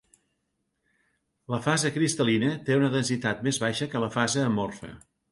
La fase cristal·lina té una densitat més baixa que la fase amorfa.